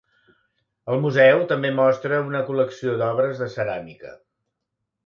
El museu també mostra una col·lecció d'obres de ceràmica.